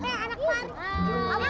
eh anak pari